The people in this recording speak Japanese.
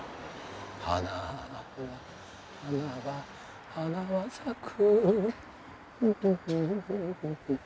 「花は花は花は咲く」